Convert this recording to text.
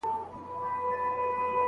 په افغانستان کې مسلکي کار ډېر ضروري دی.